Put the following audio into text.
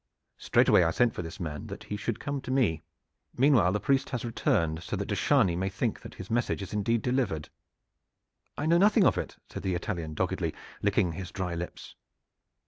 Straightway I sent for this man that he should come to me. Meanwhile the priest has returned so that de Chargny may think that his message is indeed delivered." "I know nothing of it," said the Italian doggedly, licking his dry lips.